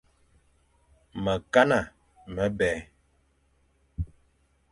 Mekana mebè.